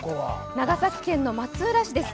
長崎県の松浦市です。